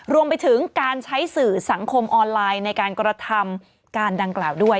รวมไปถึงการใช้สื่อสังคมออนไลน์ในการกระทำการดังกล่าวด้วย